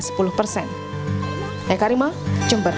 saya karima jember